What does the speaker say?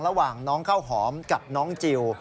ระหว่างน้องข้าวหอมกับน้องจิล